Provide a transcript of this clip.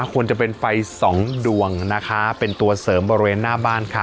ควรจะเป็นไฟสองดวงนะคะเป็นตัวเสริมบริเวณหน้าบ้านค่ะ